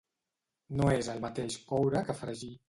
No és el mateix coure que fregir.